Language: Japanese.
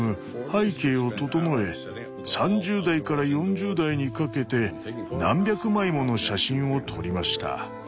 背景を整え３０代から４０代にかけて何百枚もの写真を撮りました。